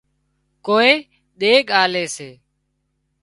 ڪوئي ۮيڳ آلي سي